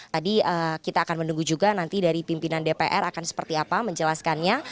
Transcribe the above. tadi kita akan menunggu juga nanti dari pimpinan dpr akan seperti apa menjelaskannya